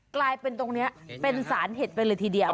กลายเป็นตรงนี้เป็นสารเห็ดไปเลยทีเดียว